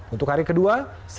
untuk hari kedua